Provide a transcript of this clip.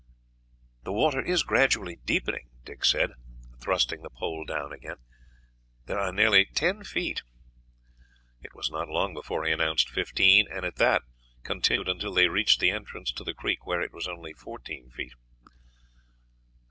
"The water is gradually deepening," Dick said, thrusting the pole down again; "there are nearly ten feet." It was not long before he announced fifteen, and at that continued until they reached the entrance to the creek, where it was only fourteen feet.